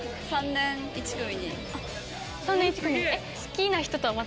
３年１組？